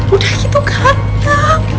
udah gitu kata